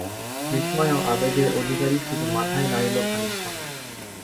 বিস্ময়ে ও আবেগে অধিকারী শুধু মাথাই নাড়িল খানিকক্ষণ।